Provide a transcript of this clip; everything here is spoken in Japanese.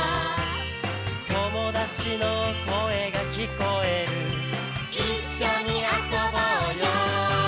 「友達の声が聞こえる」「一緒に遊ぼうよ」